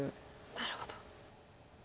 なるほど。